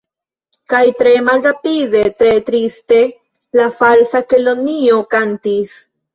Kaj tre malrapide, tre triste la Falsa Kelonio kantis.